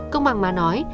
công bằng mà nói